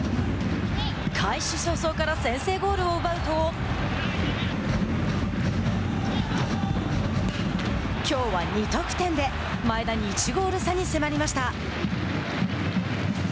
開始早々から先制ゴールを奪うときょうは２得点で前田に１ゴール差に迫りました。